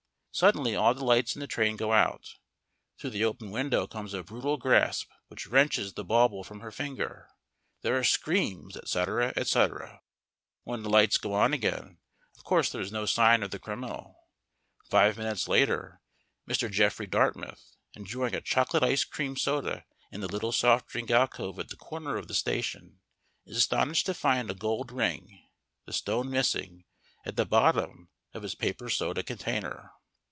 Suddenly all the lights in the train go out. Through the open window comes a brutal grasp which wrenches the bauble from her finger. There are screams, etc., etc. When the lights go on again, of course there is no sign of the criminal. Five minutes later, Mr. Geoffrey Dartmouth, enjoying a chocolate ice cream soda in the little soft drink alcove at the corner of the station, is astonished to find a gold ring, the stone missing, at the bottom of his paper soda container.